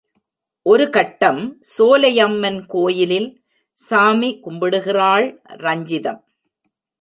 ஒரு கட்டம் சோலையம்மன் கோயிலில், சாமி கும்பிடுகிறாள் ரஞ்சிதம்.